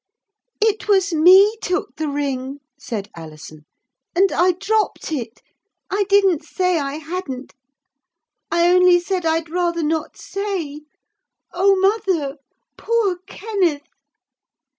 'It was me took the ring,' said Alison, 'and I dropped it. I didn't say I hadn't. I only said I'd rather not say. Oh Mother! poor Kenneth!'